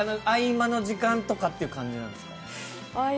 合間の時間とかって感じなんですか？